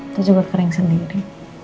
itu juga kering sendiri